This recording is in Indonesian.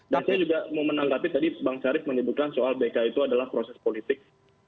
dan saya juga mau menanggapi tadi bang syarif menyebutkan soal bk itu adalah proses politik